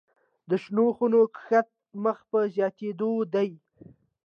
د شنو خونو کښت مخ په زیاتیدو دی